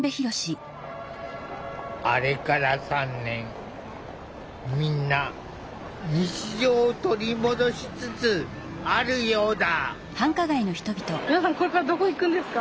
あれから３年みんな日常を取り戻しつつあるようだ。